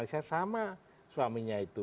di malaysia sama suaminya itu